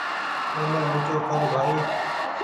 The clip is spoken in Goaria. اوني اونچو ڪر ڀآئي